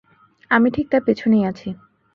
আমি ঠিক তার পেছনেই আছি।